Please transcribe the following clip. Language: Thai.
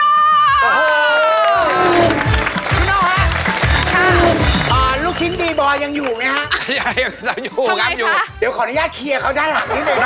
อยู่เดี๋ยวขออนุญาตเคียร์เขาหน้าหลังนี้หน่อยนะครับ